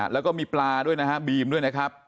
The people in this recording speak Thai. แล้วก็มีปลาด้วยนะฮะบีมด้วยนะครับ